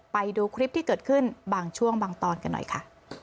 ไปดูคลิปที่เกิดขึ้นบางช่วงบางตอนกันหน่อยค่ะ